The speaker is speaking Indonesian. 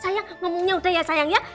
saya ngomongnya udah ya sayang ya